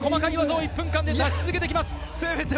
細かい技を１分間で出し続けてきます。